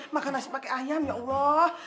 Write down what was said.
makan nasi pakai ayam ya allah